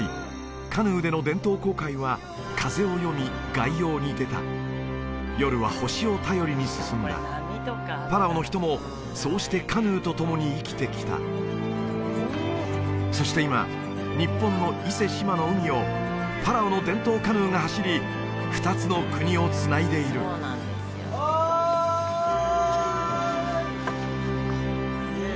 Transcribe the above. カヌーでの伝統航海は風を読み外洋に出た夜は星を頼りに進んだパラオの人もそうしてカヌーと共に生きてきたそして今日本の伊勢志摩の海をパラオの伝統カヌーが走り２つの国をつないでいるおい！